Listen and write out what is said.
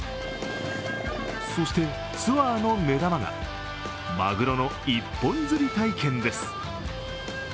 そし、ツアーの目玉がマグロの一本釣り体験です。